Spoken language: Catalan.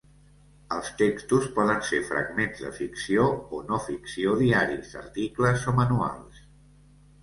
Els textos poden ser fragments de ficció o no-ficció, diaris, articles o manuals.